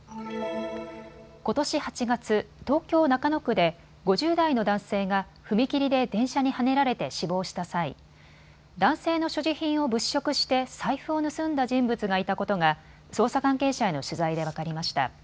ことし８月、東京中野区で５０代の男性が踏切で電車にはねられて死亡した際、男性の所持品を物色して財布を盗んだ人物がいたことが捜査関係者への取材で分かりました。